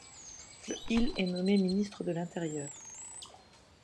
Le il est nommé ministre de l'Intérieur.